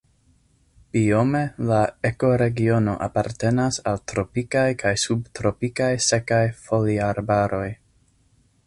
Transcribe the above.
Biome la ekoregiono apartenas al tropikaj kaj subtropikaj sekaj foliarbaroj.